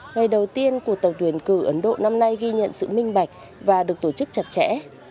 ngày đầu tiên cuộc tổng tuyển cử ấn độ năm nay ghi nhận sự minh bạch và được tổ chức chặt chẽ